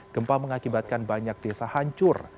gempa mengakibatkan banyak desa hancur